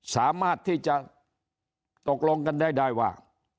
สามารถที่จะตกลงกันได้ได้ว่า